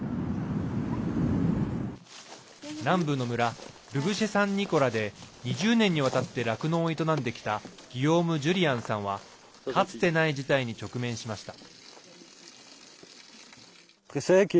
南部の村ルブシェサンニコラで２０年にわたって酪農を営んできたギヨーム・ジュリアンさんはかつてない事態に直面しました。